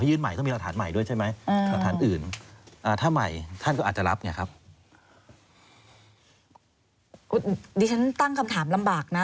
คุณดิฉันตั้งคำถามลำบากนะ